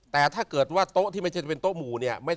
แต่ถ้าเกิดว่าโต๊ะที่ไม่ใช่จะเป็นโต๊ะหมู่เนี่ย